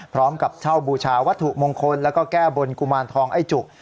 พร้อมกับเช่าบูชาวัตถุมงคลแล้วก็แก้บนกุมารทองไอ้จุก